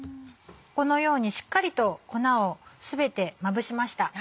このようにしっかりと粉を全てまぶしました。